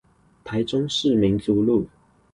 台中市民族路